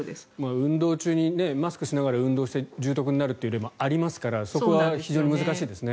運動中マスクをしながら運動をして重篤になるという例もありますからそこは非常に難しいですね。